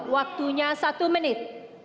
waktunya satu menit